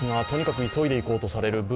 とにかく急いでいこうとされる